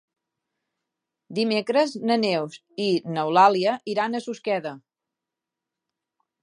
Dimecres na Neus i n'Eulàlia iran a Susqueda.